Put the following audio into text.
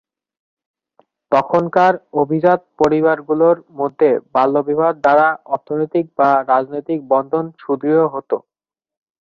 তখনকার অভিজাত পরিবারগুলোর মধ্যে বাল্যবিবাহের দ্বারা অর্থনৈতিক বা রাজনৈতিক বন্ধন সুদৃঢ় হত।